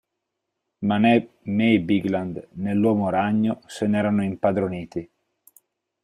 Ma né May Bigland, né l'uomo ragno se ne erano impadroniti.